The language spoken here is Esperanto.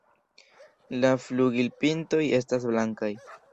La flugilpintoj estas blankaj.